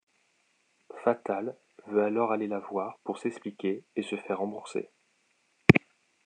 Fatal veut alors aller la voir pour s'expliquer et se faire rembourser.